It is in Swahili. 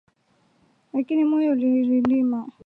lakini moyo ulinirindima,